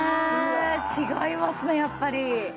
違いますねやっぱり。